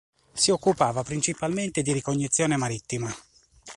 Si occupava principalmente di ricognizione marittima.